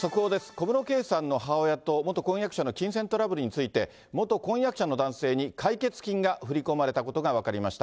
小室圭さんの母親と、元婚約者の金銭トラブルについて、元婚約者の男性に解決金が振り込まれたことが分かりました。